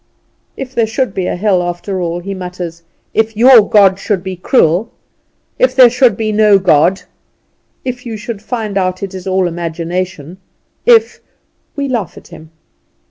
"If there should be a hell, after all!" he mutters. "If your God should be cruel! If there should be no God! If you should find out it is all imagination! If " We laugh at him.